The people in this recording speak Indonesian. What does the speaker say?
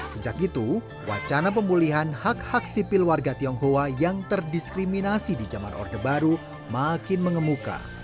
sejak itu wacana pemulihan hak hak sipil warga tionghoa yang terdiskriminasi di zaman orde baru makin mengemuka